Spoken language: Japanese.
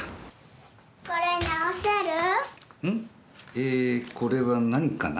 えこれは何かな？